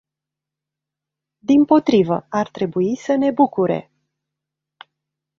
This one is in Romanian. Dimpotrivă, ar trebui să ne bucure.